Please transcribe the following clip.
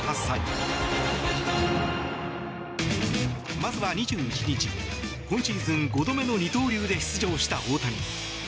まずは２１日今シーズン５度目の二刀流で出場した大谷。